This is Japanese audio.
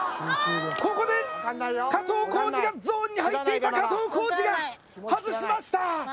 ここで加藤浩次が、ゾーンに入っていた加藤浩次が外しました。